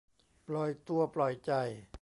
ปล่อยตัวปล่อยใจ